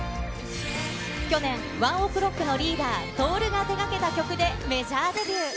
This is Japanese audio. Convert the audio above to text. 去年、ＯＮＥＯＫＲＯＣＫのリーダー、トオルが手がけた曲でメジャーデビュー。